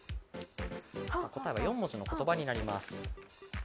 答えは４文字の言葉になります。